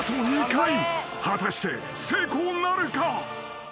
［果たして成功なるか？］